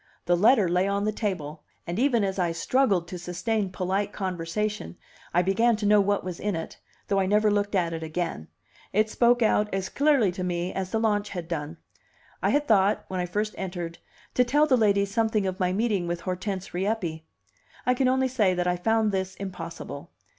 The letter lay on the table; and even as I struggled to sustain polite conversation, I began to know what was in it, though I never looked at it again; it spoke out as clearly to me as the launch had done. I had thought, when I first entered, to tell the ladies something of my meeting with Hortense Rieppe; I can only say that I found this impossible.